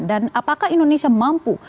dan apakah indonesia mampu